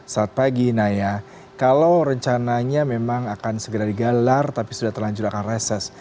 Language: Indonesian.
saat pagi naya kalau rencananya memang akan segera digalar tapi sudah terlanjur akan reses